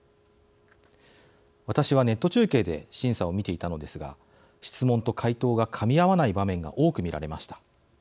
私はネット中継で審査を見ていたのですが質問と回答がかみ合わない場面が多く見られました。